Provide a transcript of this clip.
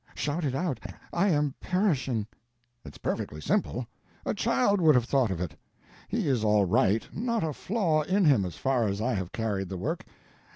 Shout it out, I am perishing." "It's perfectly simple; a child would have thought of it. He is all right, not a flaw in him, as far as I have carried the work.